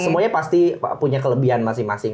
semuanya pasti punya kelebihan masing masing